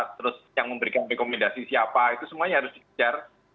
terus yang memberikan rekomendasi siapa itu semuanya harus dikejar